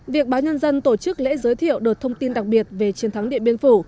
việc báo nhân dân tổ chức lễ giới thiệu đợt thông tin đặc biệt về chiến thắng điện biên phủ